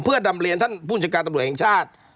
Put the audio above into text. เพื่อนำเรียนท่านผู้บัญชาการตำรวจแห่งชาติ